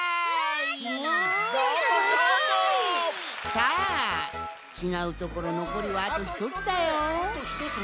さあちがうところのこりはあとひとつだよ。